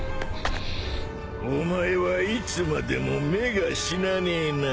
お前はいつまでも目が死なねえな。